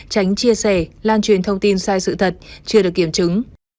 tránh chia sẻ lan truyền thông tin sai sự thật chưa được kiểm chứng